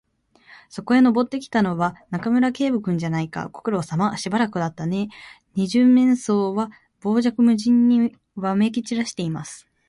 そこへ登ってきたのは、中村警部君じゃないか。ご苦労さま。しばらくだったねえ。二十面相は傍若無人にわめきちらしています。